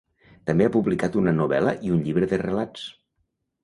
També ha publicat una novel·la i un llibre de relats.